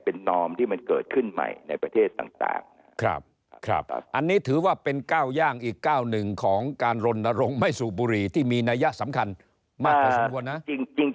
เป็นนอมที่มันเกิดขึ้นใหม่ในประเทศต่างนะครับอันนี้ถือว่าเป็นก้าวย่างอีกก้าวหนึ่งของการรณรงค์ไม่สูบบุหรี่ที่มีนัยสำคัญมากพอสมควรนะ